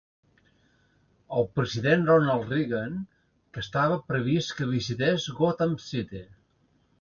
El president Ronald Reagan, que estava previst que visités Gotham City.